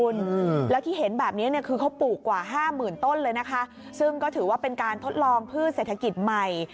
แล้วที่เห็นแบบนี้คือเขาปลูกกว่า๕๐๐๐๐ต้นซึ่งก็ถือว่าเป็นการทดลองพืชเศรษฐกิจใหม่